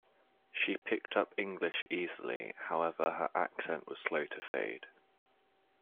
She picked up English easily, however, her accent was slow to fade.